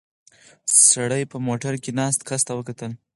سړي په موټر کې ناست کس ته وکتل.